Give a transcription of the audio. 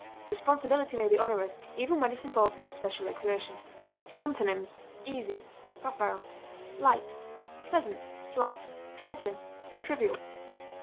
Responsibility may be onerous even when it involves no special exertion. Antonyms: easy, facile, light, pleasant, slight, trifling, trivial.